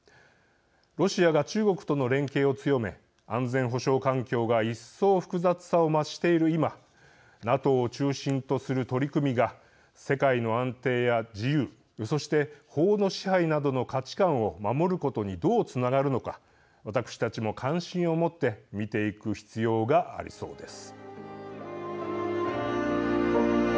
ロシアが中国との連携を強め安全保障環境が一層複雑さを増している今ＮＡＴＯを中心とする取り組みが世界の安定や自由、そして法の支配などの価値観を守ることにどうつながるのか私たちも関心を持って見ていく必要がありそうです。